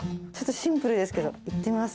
シンプルですけどいってみます。